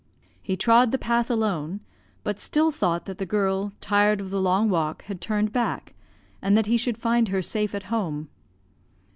He trod the path alone, but still thought that the girl, tired of the long walk, had turned back, and that he should find her safe at home.